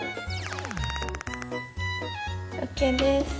ＯＫです。